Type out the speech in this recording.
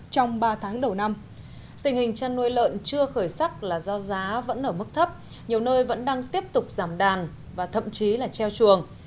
trong ba tháng đầu năm tình hình chăn nuôi lợn chưa khởi sắc là do giá vẫn ở mức thấp nhiều nơi vẫn đang tiếp tục giảm đàn và thậm chí là treo chuồng